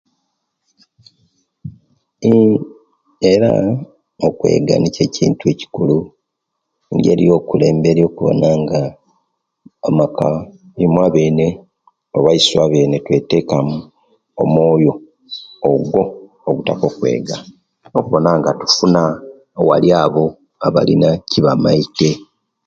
Nnnn era okwega nikyo ekintu ekikulu, engeri yokulemberya okuwona nga amaka, imwe abene oba iswe abene twetekamu omwoyo ogwo ogutaka, okwega okuwona nga tufuna ewali abo abalina ekibamaite.